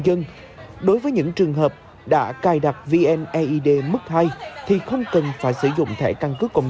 dân đối với những trường hợp đã cài đặt vneid mức hai thì không cần phải sử dụng thẻ căn cứ công